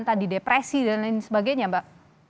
tadi depresi dan lain sebagainya mbak